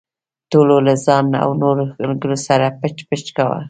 ټولو له ځان او نورو ملګرو سره پچ پچ کاوه.